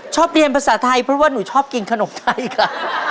ชอบเรียนภาษาไทยเพราะว่าหนูชอบกินขนมไทยค่ะ